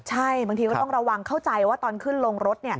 ใช่บางทีก็ต้องระวังเข้าใจว่าตอนขึ้นลงรถ